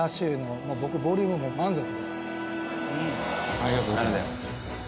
ありがとうございます。